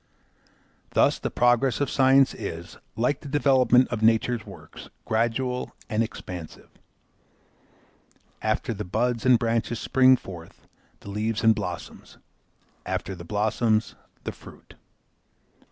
Thus the progress of science is, like the development of nature's works, gradual and expansive. After the buds and branches spring forth the leaves and blossoms, after the blossoms the fruit.